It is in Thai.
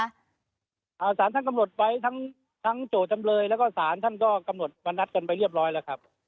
สารท่านกำหนดไว้ทั้งทั้งโจทย์จำเลยแล้วก็สารท่านก็กำหนดวันนัดกันไปเรียบร้อยแล้วครับ